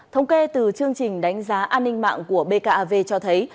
thống kê từ chương trình đánh giá an ninh mạng của bkav cho thấy